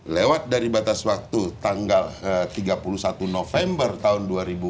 lewat dari batas waktu tanggal tiga puluh satu november tahun dua ribu dua puluh